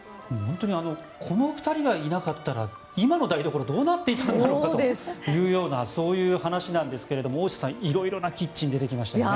この２人がいなかったら今の台所はどうなっていたんだろうかという話なんですけれども大下さん、いろいろなキッチンが出てきましたね。